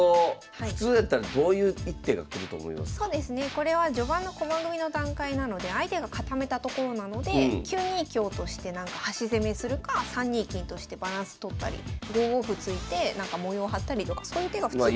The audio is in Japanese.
これは序盤の駒組みの段階なので相手が固めたところなので９二香として端攻めするか３二金としてバランス取ったり５五歩突いてなんか模様張ったりとかそういう手が普通かなと。